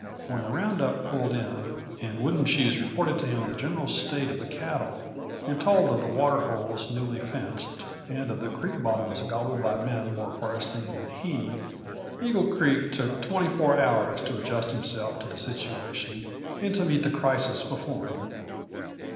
When the round up pulled in and Wooden Shoes reported to him the general state of the cattle, and told of the water holes newly fenced and of creek bottoms gobbled by men more farseeing than he, Eagle Creek took twenty four hours to adjust himself to the situation and to meet the crisis before him.